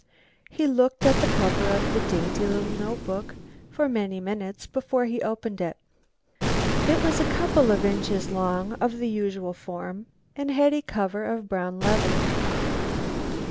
He looked at the cover of the dainty little notebook for many minutes before he opened it. It was a couple of inches long, of the usual form, and had a cover of brown leather.